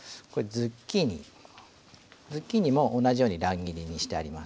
ズッキーニも同じように乱切りにしてあります。